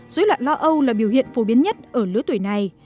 dối loạn lo âu là biểu hiện phổ biến nhất ở lứa tuổi này